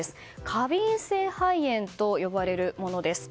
過敏性肺炎と呼ばれるものです。